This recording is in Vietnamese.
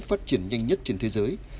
phát triển nhanh nhất trên thế giới